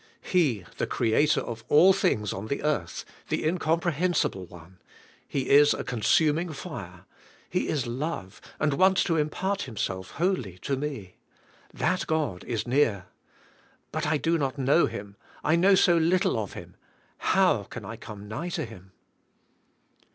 He, the Creator of all things on the earth, the Incomprehensible One; He is a consuming fire; He is love and wants to impart Himself wholly to me. That God is near. But I do not know Him; I know so little of Him, how can I come nigh to Him?"